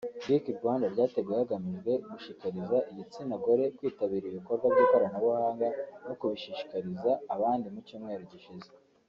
Geek Rwanda ryateguwe hagamijwe gushikariza igitsina gore kwitabira ibikorwa by’ikoranabuhanga no kubishishikariza abandi mu cyumweru gishize